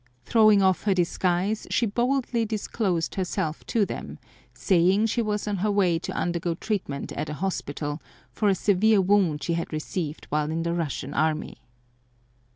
Throwing off her disguise she boldly disclosed herself to them, saying she was on her way to undergo treatment at a hospital for a severe wound she had received while in the Russian army.